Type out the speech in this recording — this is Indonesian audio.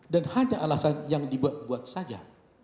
dan hanya alasan yang dibuat buat saja